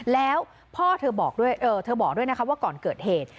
แล้วพ่อเธอบอกด้วยนะครับว่าก่อนเกิดเหตุ